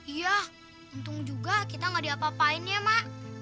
iya untung juga kita gak diapa apain ya mak